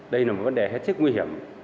đây là một vấn đề hết sức nguy hiểm